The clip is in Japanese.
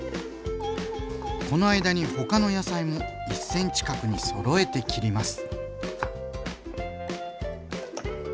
この間に他の野菜も１ｃｍ角にそろえて切ります。